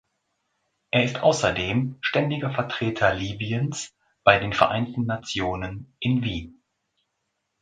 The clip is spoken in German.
Er ist außerdem Ständiger Vertreter Libyens bei den Vereinten Nationen in Wien.